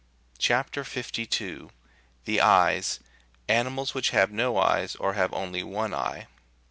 CHAP. 52. THE EYES — ANIMALS WHICH HAVE NO EYES, OR HAVE ONLY ONE EYE.